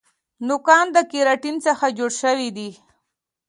نوکان د کیراټین څخه جوړ شوي دي